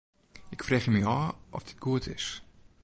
Ik freegje my ôf oft dit goed is.